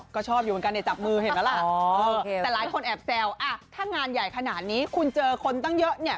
ก็ชอบอยู่เหมือนกันเนี่ยจับมือเห็นไหมล่ะแต่หลายคนแอบแซวอ่ะถ้างานใหญ่ขนาดนี้คุณเจอคนตั้งเยอะเนี่ย